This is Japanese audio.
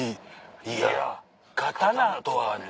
「いやぁ刀とはね」。